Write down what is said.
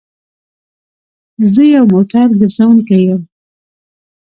زه يو موټر ګرځونکی يم